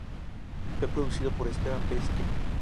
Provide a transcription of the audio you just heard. Fue producido por Esteban Pesce.